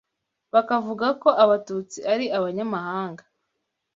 bakavuga ko abatutsi ari abanyamahanga